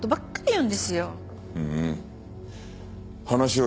うん。